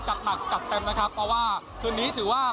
หนักจัดเต็มนะครับเพราะว่าคืนนี้ถือว่า